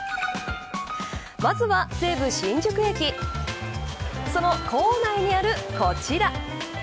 まずは、西武新宿駅その構内にあるこちら。